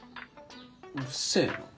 うるせぇな。